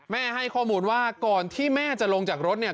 ให้ข้อมูลว่าก่อนที่แม่จะลงจากรถเนี่ย